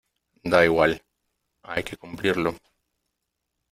da igual , hay que cumplirlo .